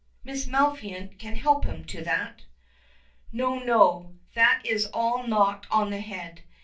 "Miss Maliphant can help him to that." "No, no. That is all knocked on the head.